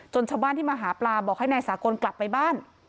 ชาวบ้านที่มาหาปลาบอกให้นายสากลกลับไปบ้าน